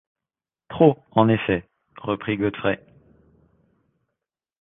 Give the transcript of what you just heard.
Trop, en effet, reprit Godfrey.